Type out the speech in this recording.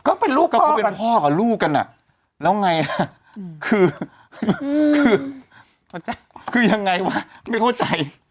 ก็เป็นพ่อกับลูกกันอ่ะแล้วไงอ่ะคือยังไงวะไม่เข้าใจ